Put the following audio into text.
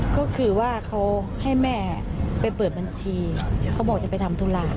ก็คือว่าเขาให้แม่ไปเปิดบัญชีเขาบอกจะไปทำธุระ